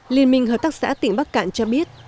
liên minh hợp tác xã tỉnh bắc cạn cho biết